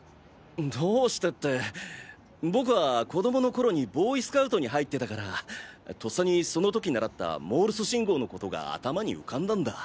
どうしてって僕は子供の頃にボーイスカウトに入ってたからとっさにそのとき習ったモールス信号のことが頭に浮かんだんだ。